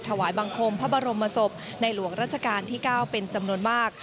ถวายบังคมพระบรมศพในหลวงราชการที่๙เป็นจำนวนมาก